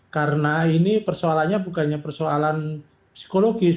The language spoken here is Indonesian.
karena ini persoalannya bukannya persoalan psikologis